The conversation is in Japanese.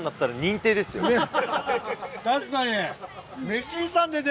確かに。